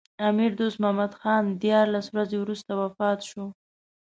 امیر دوست محمد خان دیارلس ورځې وروسته وفات شو.